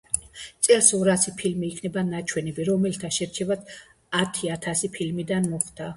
წელს ორასი ფილმი იქნება ნაჩვენები, რომელთა შერჩევაც ათი ათასი ფილმიდან მოხდა.